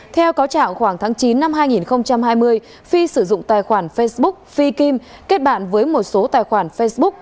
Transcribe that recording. theo cáo trạng khoảng tháng chín năm hai nghìn hai mươi phi sử dụng tài khoản facebook phi kim kết bạn với một số tài khoản facebook